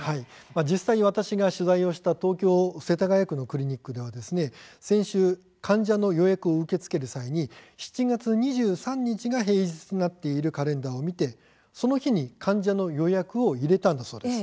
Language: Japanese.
実際、私が取材した東京・世田谷区のクリニックでは先週、患者の予約を受け付ける際に７月２３日が平日になっているカレンダーを見てその日に患者の予約を入れたんだそうです。